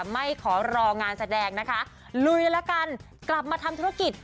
ไม่ขอรองานแสดงนะคะลุยละกันกลับมาทำธุรกิจ